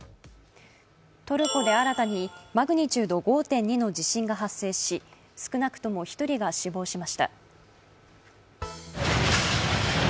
トルコで新たにマグニチュード５．２の地震が発生し少なくとも１人が死亡しました。